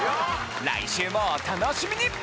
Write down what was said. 来週もお楽しみに！